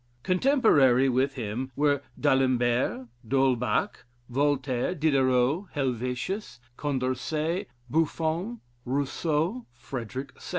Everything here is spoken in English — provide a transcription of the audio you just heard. Contemporary with him were D'Alembert, D'Holbach, Voltaire, Diderot, Helvetius, Condorcet, Buffon, Rousseau, Frederick II.